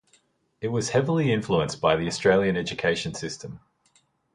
It was heavily influenced by the Australian education system.